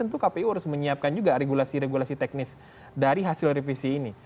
tentu kpu harus menyiapkan juga regulasi regulasi teknis dari hasil revisi ini